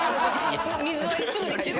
水割りすぐできる。